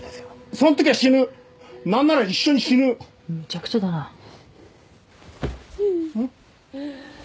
そんときゃ死ぬなんなら一緒に死ぬむちゃくちゃだなん？